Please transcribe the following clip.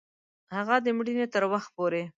هغه د مړینې تر وخت پوري